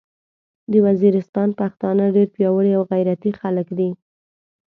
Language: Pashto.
د ویزیریستان پختانه ډیر پیاوړي او غیرتي خلک دې